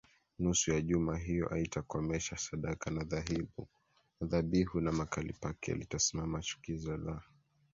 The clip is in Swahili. nusu ya juma hiyo ataikomesha sadaka na dhabihu na mahali pake litasimama chukizo la